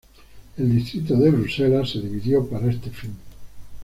El distrito de Bruselas se dividió para este fin.